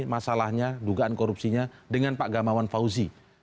masalahnya dugaan korupsinya dengan pak gamawan fauzi